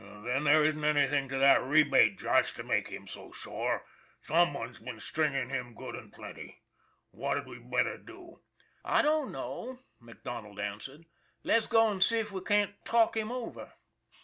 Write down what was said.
Then, there isn't enough to that rebate josh to make him so sore. Some one's been stringing him good and plenty. What had we better do ?" THE REBATE 301 "I don't know/* MacDonald answered. "Let's go and see if we can't talk him over."